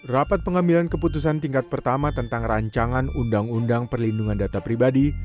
rapat pengambilan keputusan tingkat pertama tentang rancangan undang undang perlindungan data pribadi